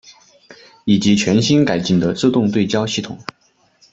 以及全新改进的自动对焦系统。